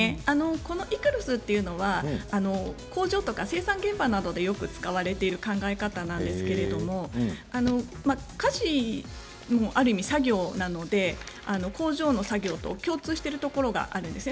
このＥＣＲＳというのは工場や生産現場などでよく使われている考え方なんですけど家事も、ある意味作業なので工場の作業と共通しているところがありますね。